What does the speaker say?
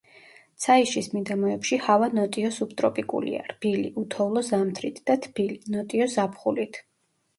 ცაიშის მიდამოებში ჰავა ნოტიო სუბტროპიკულია, რბილი, უთოვლო ზამთრით და თბილი, ნოტიო ზაფხულით.